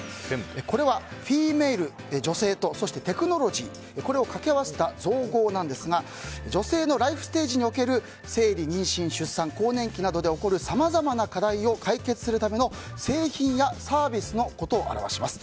これはＦｅｍａｌｅ・女性とそしてＴｅｃｈｎｏｌｏｇｙを掛け合わせた造語なんですが女性のライフステージにおける生理、妊娠、出産更年期などで起こるさまざまな課題を解決するための製品やサービスのことを表します。